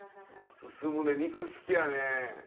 進むね肉好きやね。